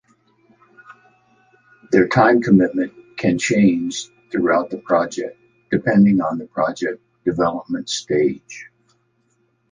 Their time commitment can change throughout the project depending on the project development stage.